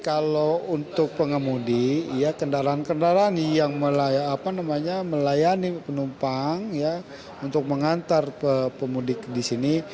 kalau untuk pengemudi kendaraan kendaraan yang melayani penumpang untuk mengantar pemudik di sini